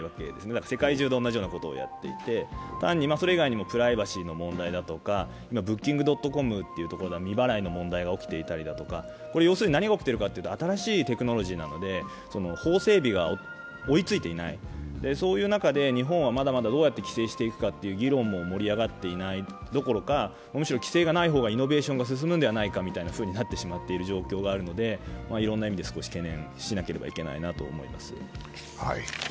だから世界中と同じことをやっていてそれ以外にもプライバシーの問題だとかブッキングドットコムの未払いの問題が起きていたりとか要するに何が起きているかというと新しいテクノロジーなので、法整備が追いついていない、そういう中で日本はまだまだどうやって規制していくのかという議論も盛り上がっていないどころか、むしろ規制がない方がイノベーションが進むんじゃないかという状態になってしまっている状況があるので、いろんな状況を懸念しないといけないなと思います。